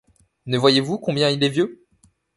Ne voyez-vous combien il est vieux ?